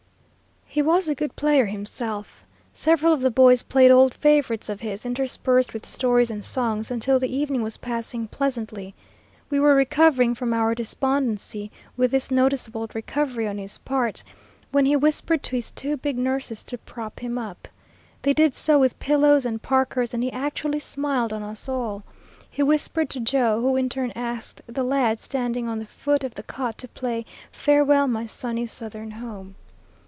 He was a good player himself. Several of the boys played old favorites of his, interspersed with stories and songs, until the evening was passing pleasantly. We were recovering from our despondency with this noticeable recovery on his part, when he whispered to his two big nurses to prop him up. They did so with pillows and parkers, and he actually smiled on us all. He whispered to Joe, who in turn asked the lad sitting on the foot of the cot to play Farewell, my Sunny Southern Home.'